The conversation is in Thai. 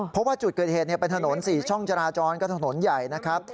เพราะว่าจุดเกิดเหตุเป็นถนน๔ช่องจราจรก็ถนนใหญ่นะครับ